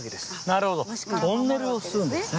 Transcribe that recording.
なるほどトンネルをするんですね。